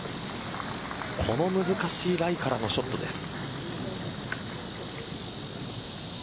この難しいライからのショットです。